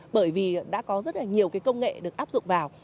bởi vì đã có rất là nhiều cái công nghệ được áp dụng vào